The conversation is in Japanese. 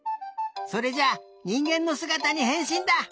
それじゃにんげんのすがたにへんしんだ！